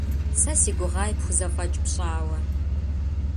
Сэ си гугъаи пхузэфӀэкӀ пщӀауэ.